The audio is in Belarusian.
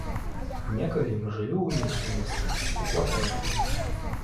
Некалі мы жылі ў іншым месцы, у кватэры.